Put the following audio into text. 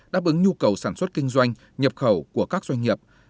đáp ứng nhu cầu sản xuất kinh doanh nhập khẩu của các doanh nghiệp